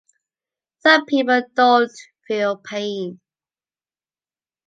Some people don’t feel pain.